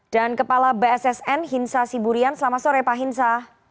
dan kepala bssn hinsa siburian selamat sore pak hinsa